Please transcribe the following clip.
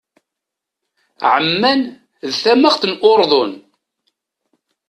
Ɛemman d tamaxt n Uṛdun.